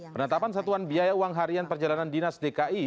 penetapan satuan biaya uang harian perjalanan dinas dki